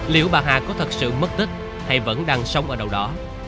liệu bà hà có thật sự mất tích hay vẫn đang sống ở đâu đó